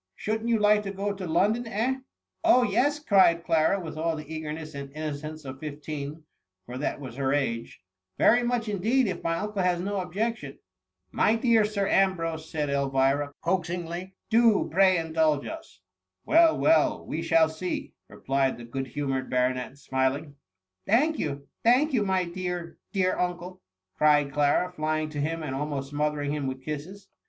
Shouldn't you like to go to London, eh ?^ Oh, yes," cried Clara, with all the eager ness and innocence of fifteen, for that was her age ;^* very much indeed, if my uncle has no objection." " My dear Sir Ambrose," said Elvira, coax ingly, " do pray indulge us." " Well, well, we shall see," replied the good humoured baronet, smiling. *^ Thank you, thank you, my dear, dear un cle !" cried Clara, flying to him, and almost smo thering him with kisses.